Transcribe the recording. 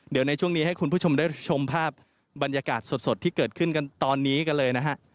เดี๋ยวในช่วงนี้ให้คุณผู้ชมได้ชมภาพบรรยากาศสดที่เกิดขึ้นกันตอนนี้กันเลยนะฮะ